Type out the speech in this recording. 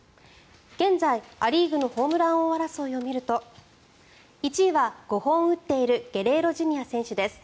現在、ア・リーグのホームラン王争いを見ると１位は５本を打っているゲレーロＪｒ．選手です。